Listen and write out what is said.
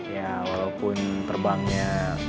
ya walaupun terbangnya